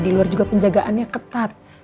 di luar juga penjagaannya ketat